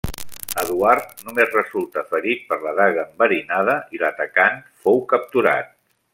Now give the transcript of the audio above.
Eduard només resultà ferit per la daga enverinada i l'atacant fou capturat.